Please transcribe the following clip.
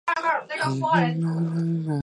庙也供俸惭愧祖师。